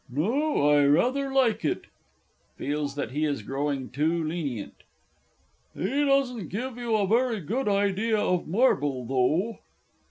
No, I rather like it. (Feels that he is growing too lenient). He doesn't give you a very good idea of marble, though.